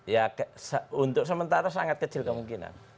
ya untuk sementara sangat kecil kemungkinan